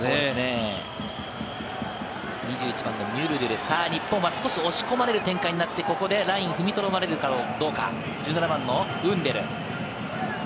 ミュルドゥル、日本は少し押し込まれる展開になって、ここでラインに踏みとどまれるかどうか、ウンデル。